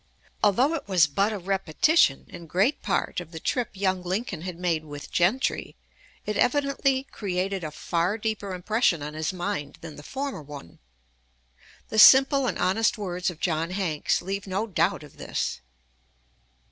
Although it was but a repetition in great part of the trip young Lincoln had made with Gentry, it evidently created a far deeper impression on his mind than the former one. The simple and honest words of John Hanks leave no doubt of this.